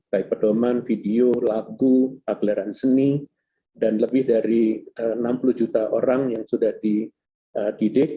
baik pedoman video lagu agleran seni dan lebih dari enam puluh juta orang yang sudah dididik